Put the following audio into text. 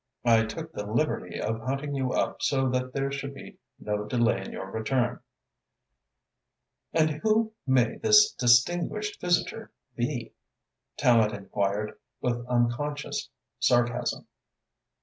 I took the liberty of hunting you up so that there should be no delay in your return." "And who may this distinguished visitor he?" Tallente enquired, with unconscious sarcasm.